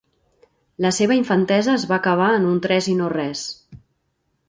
La seva infantesa es va acabar en un tres i no res.